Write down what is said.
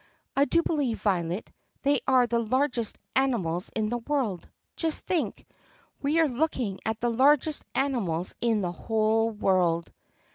I do believe, Violet, they are the largest animals in the world! Just think! We are looking at the largest animals in the whole world!"